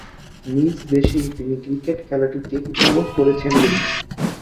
নিজ দেশেই তিনি ক্রিকেট খেলাটিকে উপভোগ করেছেন বেশি।